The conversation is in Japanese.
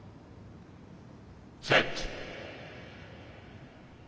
「セット」。